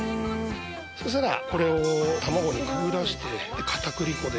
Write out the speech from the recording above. そしたらこれを卵にくぐらして片栗粉で。